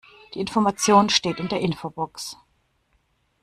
Die Information steht in der Infobox.